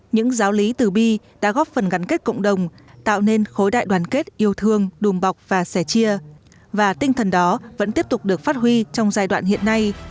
những giáo lý từ bi đã góp phần gắn kết cộng đồng tạo nên khối đại đoàn kết yêu thương đùm bọc và sẻ chia và tinh thần đó vẫn tiếp tục được phát huy trong giai đoạn hiện nay